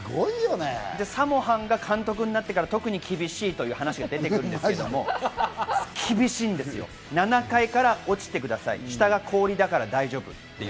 サモ・ハンが監督になってから特に厳しいという話が出てくるんですけど、７階から落ちてください、下が氷だから大丈夫っていう。